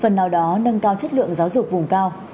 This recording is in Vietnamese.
nó nâng cao chất lượng giáo dục vùng cao